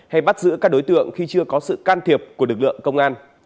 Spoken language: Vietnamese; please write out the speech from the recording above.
hay bắt giữ các đối tượng khi chưa có sự can thiệp của lực lượng công an